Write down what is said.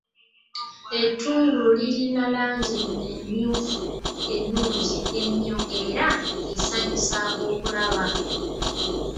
Ettungulu lirina langi emmyufu ennungi ennyo era esanyusa okulaba.